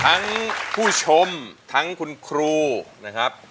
ทั้งผู้ชมทั้งคุณครูนะครับ